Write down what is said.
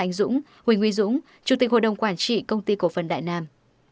anh dũng huỳnh uy dũng chủ tịch hội đồng quản trị công ty cổ phần đại nam